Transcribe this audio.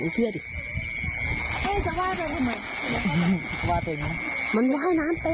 ไม่ใช่เพราะว่ามีคนสนใจ